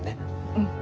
うん。